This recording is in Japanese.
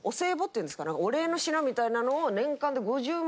お礼の品みたいなのを。